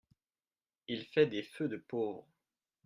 Il fait des feux de pauvre.